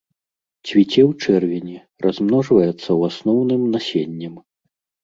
Цвіце ў чэрвені, размножваецца ў асноўным насеннем.